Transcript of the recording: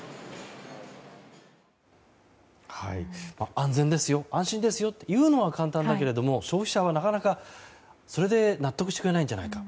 安全ですよ、安心ですよと言うのは簡単ですけれども消費者はなかなか、それで納得してくれないんじゃないか。